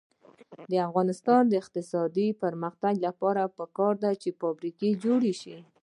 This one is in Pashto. د افغانستان د اقتصادي پرمختګ لپاره پکار ده چې فابریکې جوړې شي.